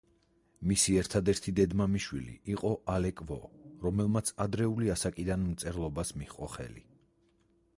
მისი ერთადერთი დედმამიშვილი იყო ალეკ ვო, რომელმაც ადრეული ასაკიდან მწერლობას მიჰყო ხელი.